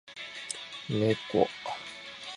犬と猫とどちらが好きですか？